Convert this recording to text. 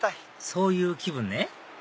そういう気分ね